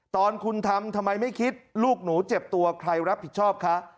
ตอนคุณทำทำไมไม่คิดลูกหนูเจ็บตัวใครรับผิดชอบคะ